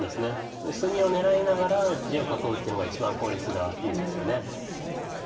薄みを狙いながら地を囲うっていうのが一番効率がいいですよね。